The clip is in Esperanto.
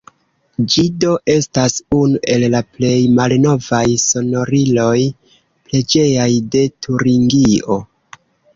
Ĝi do estas unu el la plej malnovaj sonoriloj preĝejaj de Turingio.